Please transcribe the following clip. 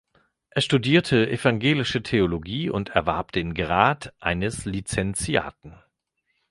Er studierte Evangelische Theologie und erwarb den Grad eines Lizenziaten.